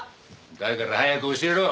だから早く教えろ！